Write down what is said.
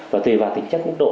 và tùy vào tính chất quốc độ